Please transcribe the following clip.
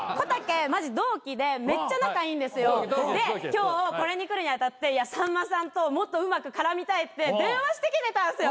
で今日これに来るに当たってさんまさんともっとうまく絡みたいって電話してきてたんですよ。